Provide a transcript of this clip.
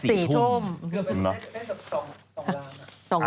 เกือบไป๑๒ล้าน